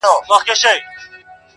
مشر زوى ته يې په ژوند كي تاج پر سر كړ!.